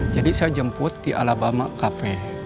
jadi saya jemput di alabama cafe